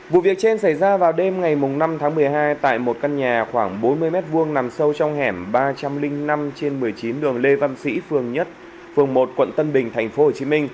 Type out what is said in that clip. vụ việc trên xảy ra vào đêm ngày năm tháng một mươi hai tại một căn nhà khoảng bốn mươi m hai nằm sâu trong hẻm ba trăm linh năm trên một mươi chín đường lê văn sĩ phường một quận tân bình tp hcm